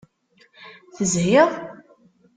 Tezhiḍ?